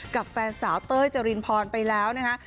กับแฟนสาวเต้ยจรินพรไปแล้วนะคะ